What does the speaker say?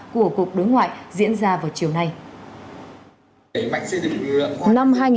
của cục đối ngoại diễn ra vào chiều nay